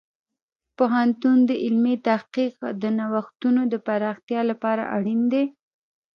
پوهنتون د علمي تحقیق د نوښتونو د پراختیا لپاره اړین دی.